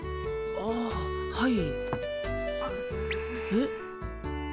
あっはい。